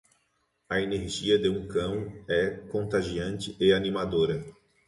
A energia de um cão é contagiante e animadora.